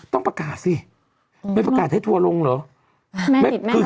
ต้องประกาศสิไม่ประกาศให้ทัวร์ลงเหรอ